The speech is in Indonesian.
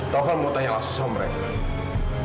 taufan mau tanya langsung sama mereka